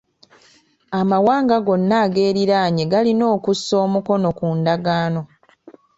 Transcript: Amawanga gonna ageeriraanye galina okusa omukono ku ndagaano.